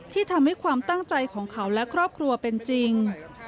ที่ทำให้ความตั้งใจของเขาและครอบครัวเป็นจริง